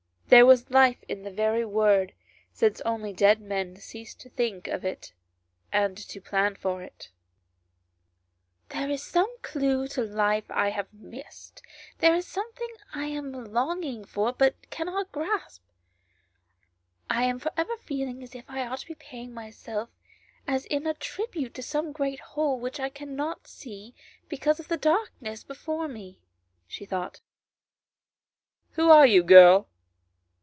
There was life in the very word, since only dead men ceased to think of it and to plan for it. 64 ANYHOW STORIES. [STORY " There is some clue to life I have missed, there is something that I am longing for but cannot grasp. I am for ever feeling as if I ought to be paying myself in as a tribute to some great whole which I cannot see because of the darkness before me," she thought. " Who are you, girl